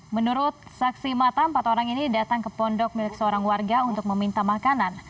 menurut saksi mata empat orang ini datang ke pondok milik seorang warga untuk meminta makanan